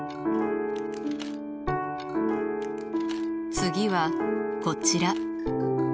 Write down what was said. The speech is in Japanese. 次はこちら。